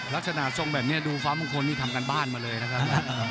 ลักษณะทรงแบบนี้ดูฟ้ามงคลนี่ทำการบ้านมาเลยนะครับ